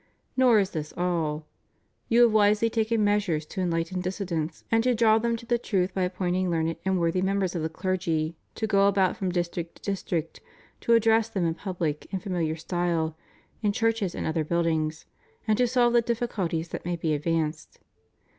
Nor is this all. You have wisely taken measures to enlighten dissidents and to draw them to the truth by appointing learned and worthy members of the clergy to go about from district to dis trict to address them in public in f amihar style in churches and other buildings, and to solve the difficulties that may be advanced.